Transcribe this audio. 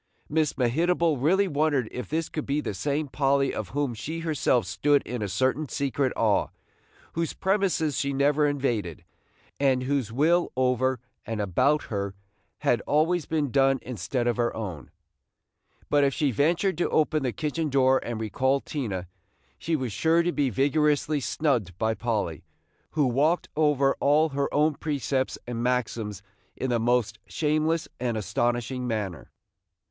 Miss Mehitable really wondered if this could be the same Polly of whom she herself stood in a certain secret awe, whose premises she never invaded, and whose will over and about her had been always done instead of her own; but if she ventured to open the kitchen door and recall Tina, she was sure to be vigorously snubbed by Polly, who walked over all her own precepts and maxims in the most shameless and astonishing manner.